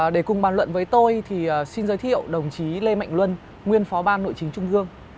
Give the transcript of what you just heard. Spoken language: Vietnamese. để cùng bàn luận với tôi thì xin giới thiệu đồng chí lê mạnh luân nguyên phó ban nội chính trung gương